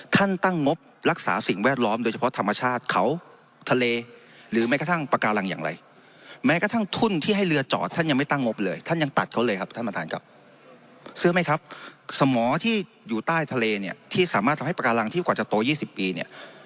ท่านตั้งมบรักษาสิ่งแวดล้อมโดยเฉพาะธรรมชาติเขาทะเล